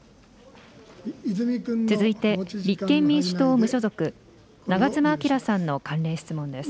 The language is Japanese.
続いて、立憲民主党・無所属、長妻昭さんの関連質問です。